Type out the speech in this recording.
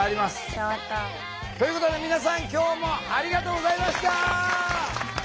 伝わった。ということで皆さん今日もありがとうございました！